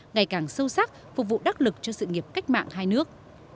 ngày càng sâu sắc phục vụ đắc lực cho sự nghiệp cách mạng hai nước